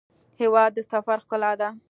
هېواد د سفر ښکلا ده.